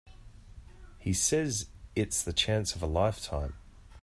He says it's the chance of a lifetime.